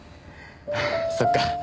そっか。